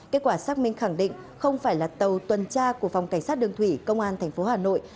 kết quả xác minh khẳng định không phải là tàu tuần tra của phòng cảnh sát đường thủy công an tp hà nội